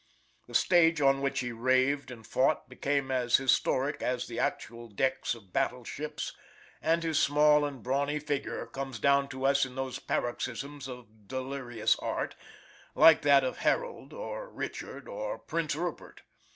The stage on which he raved and fought became as historic as the actual decks of battle ships, and his small and brawny figure comes down to us in those paroxysms of delirious art, like that of Harold, or Richard, or Prince Rupert.